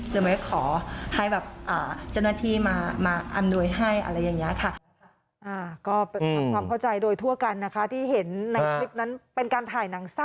หรือไม่ขอให้แบบเจ้าหน้าที่มาอำนวยให้อะไรอย่างนี้ค่ะ